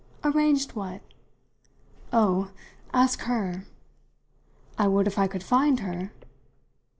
"Arranged what?" "Oh, ask her!" "I would if I could find her!"